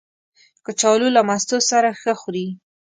کچالو له مستو سره ښه خوري